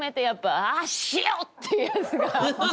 やっぱ。